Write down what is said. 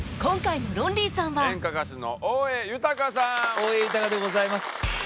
大江裕でございます。